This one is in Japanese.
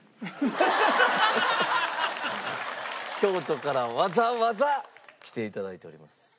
京都からわざわざ来て頂いております。